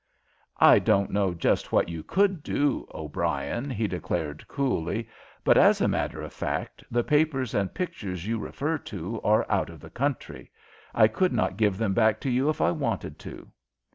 "I don't know just what you could do, O'Brien," he declared, coolly, "but as a matter of fact the papers and pictures you refer to are out of the country. I could not give them back to you if I wanted to."